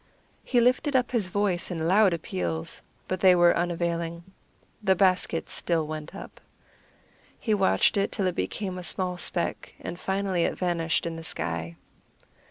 He lifted up his voice in loud appeals, but they were unavailing. The basket still went up. He watched it till it became a small speck, and finally it vanished in the sky.